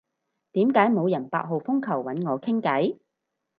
點解冇人八號風球搵我傾偈？